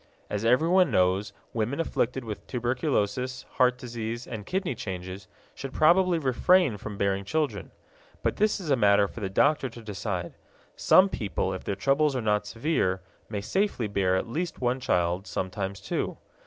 As everyone knows, women afflicted with tuberculosis, heart disease, and kidney changes should probably refrain from bearing children. But this is a matter for the doctor to decide. Such people, if their troubles are not severe, may safely bear at least one child, sometimes two.